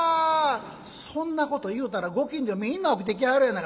「そんなこと言うたらご近所みんな起きてきはるやないか」。